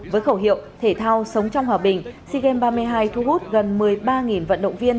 với khẩu hiệu thể thao sống trong hòa bình sea games ba mươi hai thu hút gần một mươi ba vận động viên